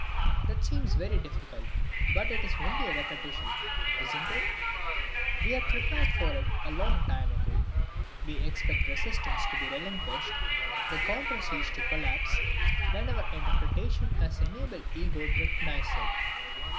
That seems very difficult, but it is only a repetition, isn't it? We were prepared for it a long time ago. We expect resistance to be relinquished, the counter siege to collapse, when our interpretation has enabled the ego to recognize it.